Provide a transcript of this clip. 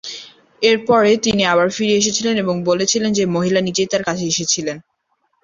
এর পরে তিনি আবার ফিরে এসেছিলেন এবং বলেছিলেন যে মহিলা নিজেই তার কাছে এসেছিলেন।